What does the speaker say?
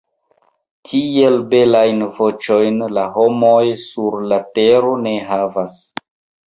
Tiel belajn voĉojn la homoj sur la tero ne havas.